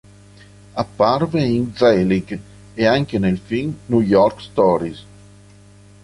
Apparve in "Zelig" e anche nel film "New York Stories".